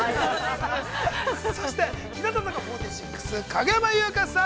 ◆そして、日向坂４６影山優佳さん。